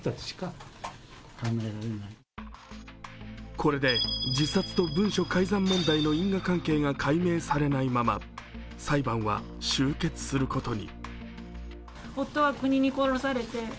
これで自殺と文書改ざん問題の因果関係が解明されないまま裁判は終結することに。